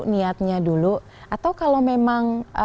niatnya dulu atau kalau memang